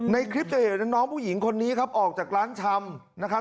ในคลิปเฉยน้องผู้หญิงคนนี้ออกจากร้านชำ